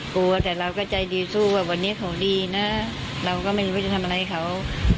กลัวแต่เราก็ใจดีสู้ว่าวันนี้เขาดีนะเราก็ไม่รู้ว่าจะทำอะไรเขา